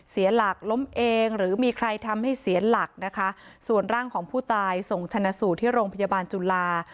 เสียหลักล้มเองหรือมีใครทำให้เสียหลักนะคะส่วนร่างของผู้ตายส่งชนะสูตรที่โรงพยาบาลจุฬา